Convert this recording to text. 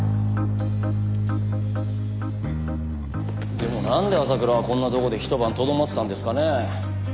でもなんで朝倉はこんなとこでひと晩とどまってたんですかね？